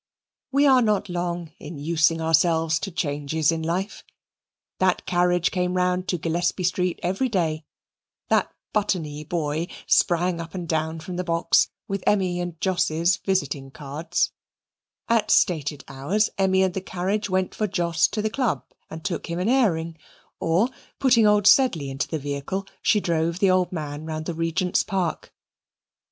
We are not long in using ourselves to changes in life. That carriage came round to Gillespie Street every day; that buttony boy sprang up and down from the box with Emmy's and Jos's visiting cards; at stated hours Emmy and the carriage went for Jos to the Club and took him an airing; or, putting old Sedley into the vehicle, she drove the old man round the Regent's Park.